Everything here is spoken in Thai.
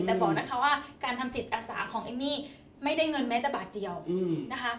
แต่บอกนะคะว่าการทำจิตอาสาของเอมมี่ไม่ได้เงินแม้แต่บาทเดียวนะคะ